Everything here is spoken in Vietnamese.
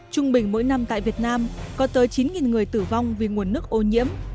trung bình mỗi năm tại việt nam có tới chín người tử vong vì nguồn nước ô nhiễm